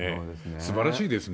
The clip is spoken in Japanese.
すばらしいですね。